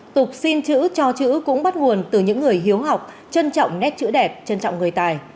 tục xin chữ cho chữ cũng bắt nguồn từ những người hiếu học trân trọng nét chữ đẹp trân trọng người tài